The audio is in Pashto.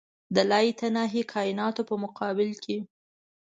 د لایتناهي کایناتو په مقابل کې.